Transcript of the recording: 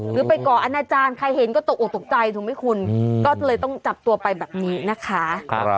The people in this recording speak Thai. หรือไปก่ออาณาจารย์ใครเห็นก็ตกออกตกใจถูกไหมคุณก็เลยต้องจับตัวไปแบบนี้นะคะ